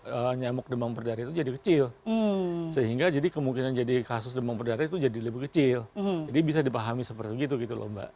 jadi wurdemang berdarah itu jadi lembu kecil sehingga jadi kemungkinan jadi kasus demam berdarah itu jadi lebih kecil jadi bisa dipahami seperti itu gitu lho mbak